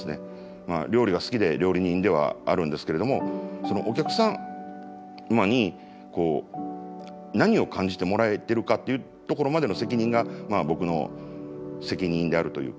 料理が好きで料理人ではあるんですけれどもそのお客様に何を感じてもらえてるかっていうところまでの責任が僕の責任であるというか。